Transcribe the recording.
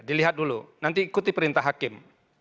dilihat dulu nanti ikuti perintah hakim